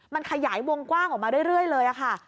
มันขยายวงกว้างออกมาเรื่อยเลยค่ะ